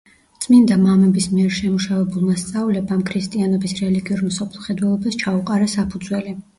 წმინდა მამების მიერ შემუშავებულმა სწავლებამ ქრისტიანობის რელიგიურ მსოფლმხედველობას ჩაუყარა საფუძველი.